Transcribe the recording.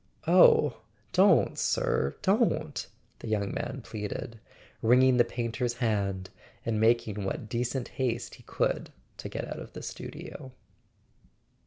"Oh, don't, sir, don't" the young man pleaded, wringing the painter's hand, and making what decent haste he could to get out of the studio.